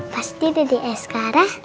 pasti dada askara